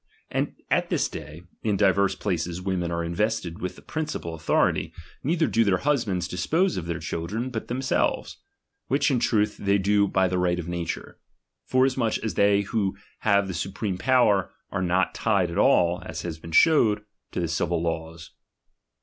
And at this day, in divers places women are invested with the princi pal authority ; neither do their husbands dispose of their children, but themselves ; which in truth they do by the right of nature ; forasmuch as they who have the supreme power, are not tied at all (as hath been shewed) to the civil laws.